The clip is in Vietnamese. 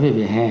về vỉa hè